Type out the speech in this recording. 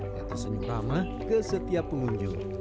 yaitu senyum ramah ke setiap pengunjung